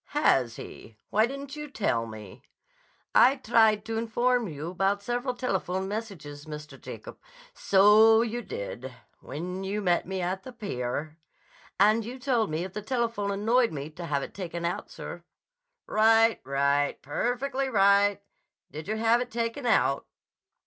"Has he? Why didn't you tell me?" "I tried to inform you about several telephone messages, Mr. Jacob—" "So you did, when you met me at the pier." "And you told me if the telephone annoyed me, to have it taken out, sir." "Right; right; perfectly right! Did you have it taken out?"